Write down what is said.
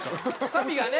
サビがね！